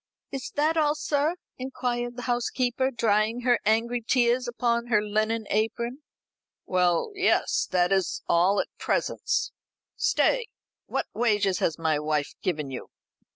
"Is that all, sir?" inquired the housekeeper, drying her angry tears upon her linen apron. "Well, yes, that is all at present. Stay. What wages has my wife given you?"